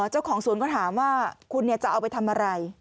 เจ้าของสวนก็ถามว่าคุณจะเอาไปทำอะไร